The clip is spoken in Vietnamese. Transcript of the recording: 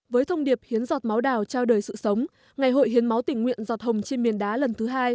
với thông điệp hiến giọt máu đào trao đời sự sống ngày hội hiến máu tình nguyện giọt hồng trên miền đá lần thứ hai